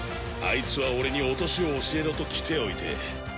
アイツは俺に落としを教えろと来ておいて。